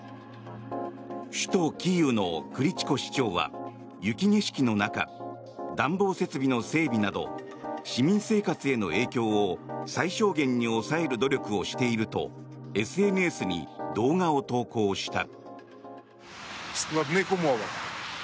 首都キーウのクリチコ市長は雪景色の中、暖房設備の整備など市民生活への影響を最小限に抑える努力をしているとＳＮＳに動画を投稿した。